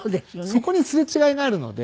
そこにすれ違いがあるので。